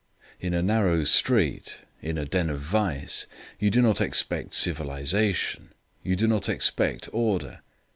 In a narrow street, in a den of vice, you do not expect civilization, you do not expect order.